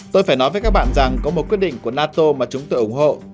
tôi phải nói với các bạn rằng có một quyết định của nato mà chúng tôi ủng hộ